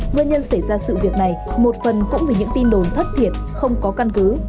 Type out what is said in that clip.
nguyên nhân xảy ra sự việc này một phần cũng vì những tin đồn thất thiệt không có căn cứ